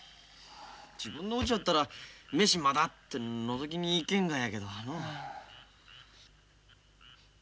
自分のうちやったら「飯まだ？」ってのぞきに行けんがやけどのう。